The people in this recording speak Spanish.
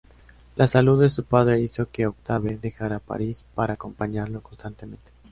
La salud de su padre hizo que Octave dejara París para acompañarlo constantemente.